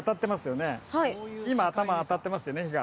今頭当たってますよね日が。